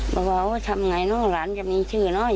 บอกว่าทำไงเนอะหลานจะมีชื่อน้อย